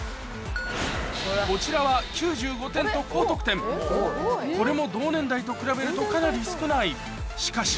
こちらは９５点と高得点これも同年代と比べるとかなり少ないしかし